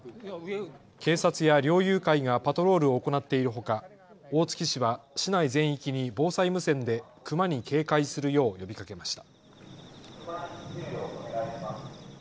警察や猟友会がパトロールを行っているほか、大月市は市内全域に防災無線でクマに警戒するよう呼びかけました。